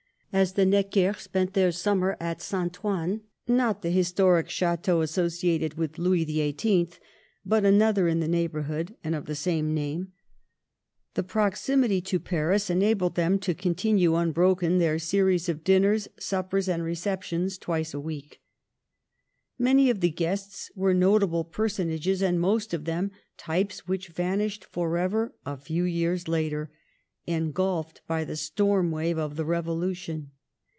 As the Neckers Spent their summer at St. Ouen — not the historic Chateau associated with Louis XVI 1 1., but another in the neighborhood, and of the same name — the proximity to Paris enabled them to continue unbroken their series of dinners, suppers and receptions, twice a week. Many of the guests were notable personages, and most of them types which vanished forever a few years later — engulphed by the storm wave of the Revolution.